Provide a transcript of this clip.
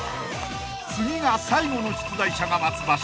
［次が最後の出題者が待つ場所］